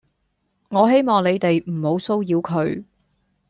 我希望你哋唔好騷擾佢